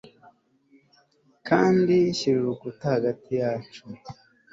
kandi shyira urukuta hagati yacu